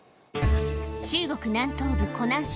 中国南東部湖南省